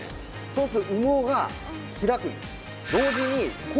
そうすると羽毛が開くんです。